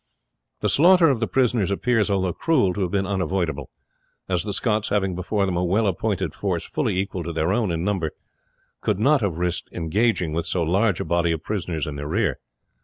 The slaughter of the prisoners appears, although cruel, to have been unavoidable; as the Scots, having before them a well appointed force fully equal to their own in number, could not have risked engaging, with so large a body of prisoners in their rear.